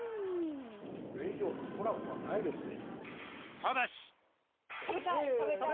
これ以上のコラボはないですね。